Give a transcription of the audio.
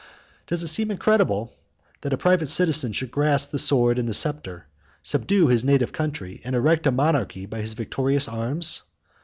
Does it seem incredible that a private citizen should grasp the sword and the sceptre, subdue his native country, and erect a monarchy by his victorious arms?